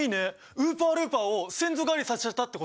ウーパールーパーを先祖返りさせちゃったってこと？